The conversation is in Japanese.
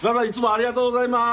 ありがとうございます。